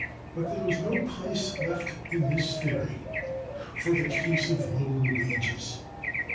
But there is no place left in this theory for the case of lower wages.